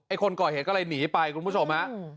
คนก่อเหตุก็เลยหนีไปคุณผู้ชมฮะ